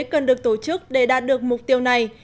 cần được tổ chức để đạt được mục tiêu này